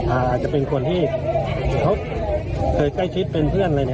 อาจจะเป็นคนที่เขาเคยใกล้ชิดเป็นเพื่อนอะไรเนี่ย